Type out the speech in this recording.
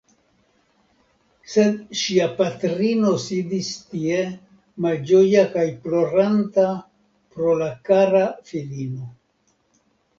Sed ŝia patrino sidis tie malĝoja kaj ploranta pro la kara filino.